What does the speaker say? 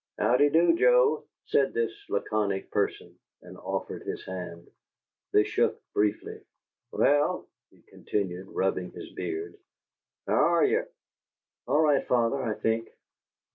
"Howdy do, Joe?" said this laconic person, and offered his hand. They shook, briefly. "Well," he continued, rubbing his beard, "how are ye?" "All right, father, I think."